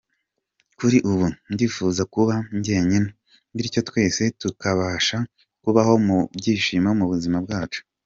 Kuri ubu ndifuza kuba njyenyine bityo twese tukabasha kubaho mu byishimo mu buzima bwacu.